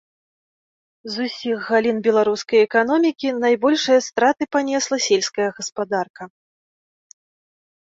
З усіх галін беларускай эканомікі найбольшыя страты панесла сельская гаспадарка.